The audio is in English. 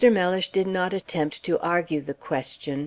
Mellish did not attempt to argue the question.